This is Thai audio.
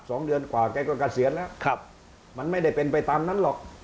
แล้วก็การเสียอ้อนแล้วมันไม่ได้เป็นไปตามนั้นหรอก